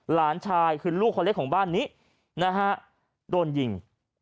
หลานชายคือลูกคนเล็กของบ้านนี้นะฮะโดนยิง